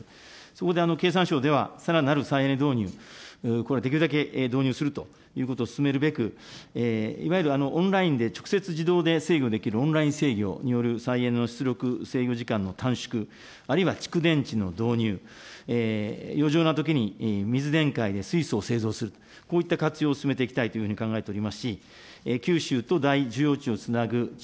そこで経産省では、さらなる再エネ導入、これ、できるだけ導入するということを進めるべく、いわゆるオンラインで、直接自動で制御できるオンライン制御による再エネの出力制御時間の短縮、あるいは蓄電池の導入、余剰なときに水電解で水素を製造する、こういった活用を進めていきたいというふうに考えておりま思っております。